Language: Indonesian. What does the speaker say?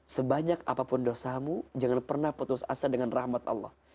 sebanyak apapun dosamu jangan pernah putus asa dengan rahmat allah